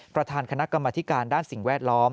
ประธานคณะกรรมธิการด้านสิ่งแวดล้อม